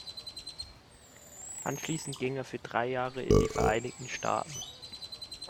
Anschließend ging er für drei Jahre in die Vereinigten Staaten.